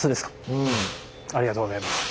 ありがとうございます。